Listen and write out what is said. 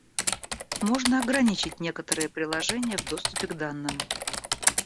Можно ограничить некоторые приложения в доступе к данным